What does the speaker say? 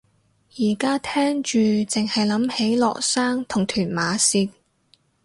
而家聽住剩係諗起羅生同屯馬綫